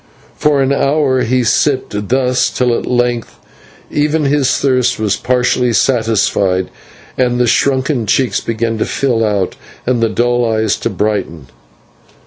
For an hour he sipped thus till at length even his thirst was partially satisfied, and the shrunken cheeks began to fill out and the dull eyes to brighten.